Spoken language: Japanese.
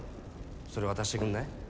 それ渡してくんない？